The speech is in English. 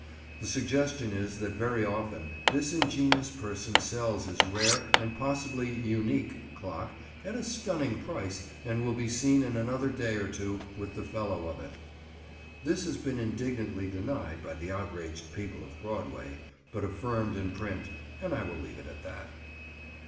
The suggestion is that very often this ingenious person sells his rare, and possibly "unique," clock at a stunning price and will be seen in another day or two with the fellow of it. This has been indignantly denied by the outraged people of Broadway, but reaffirmed in print, and I will leave it at that.